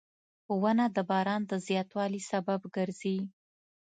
• ونه د باران د زیاتوالي سبب ګرځي.